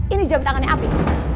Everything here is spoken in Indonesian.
ini jam tangannya afif